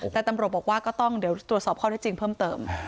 แต่ตำรวจบอกว่าก็ต้องเดี๋ยวตรวจสอบข้อได้จริงเพิ่มเติม